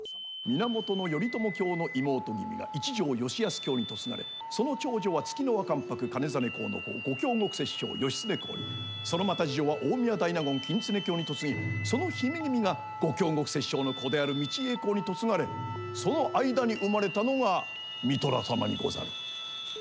源頼朝卿の妹君が一条能保卿に嫁がれその長女は月輪関白兼実公の子後京極摂政良経公にそのまた次女は大宮大納言公経卿に嫁ぎその姫君が後京極摂政の子である道家公に嫁がれその間に生まれたのが三寅様にござる。